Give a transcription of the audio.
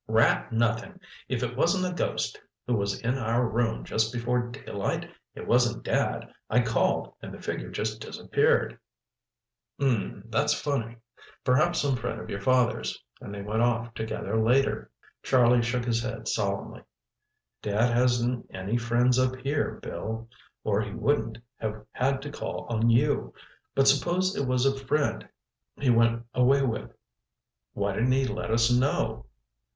"Rat, nothing! If it wasn't a ghost, who was in our room just before daylight? It wasn't Dad. I called and the figure just disappeared." "Um—that's funny. Perhaps some friend of your father's—and they went off together later." Charlie shook his head solemnly. "Dad hasn't any friends up here, Bill, or he wouldn't have had to call on you. But suppose it was a friend he went away with, why didn't he let us know?